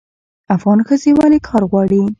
افغان ښځې ولې کار غواړي؟